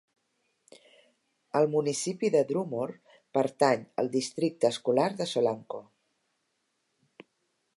El municipi de Drumore pertany al districte escolar de Solanco.